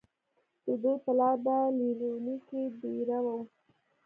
د دوي پلار پۀ ليلونۍ کښې دېره وو